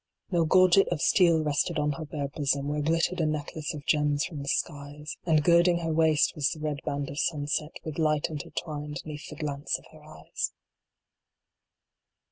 No gorget of steel rested on her bare bosom, Where glittered a necklace of gems from the skies ; And girding her waist was the red band of sunset, With light intertwined neath the glance of her eyes.